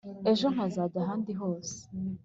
ejo nkajya ahandi hose